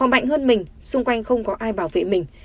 mạnh hơn mình xung quanh không có ai bảo vệ mình